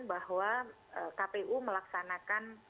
bahwa kpu melaksanakan